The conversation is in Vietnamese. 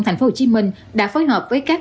tp hcm đã phối hợp với các